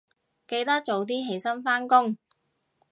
記得早啲起身返工